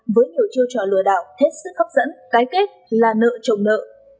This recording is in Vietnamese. với nhiều chiêu trò lừa đảo hết sức hấp dẫn cái kết là nợ trồng nợ